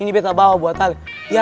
ini betah bawa buat alih